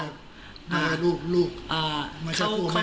ไม่ใช่ลูกลูกไม่ใช่คู่แม่เขา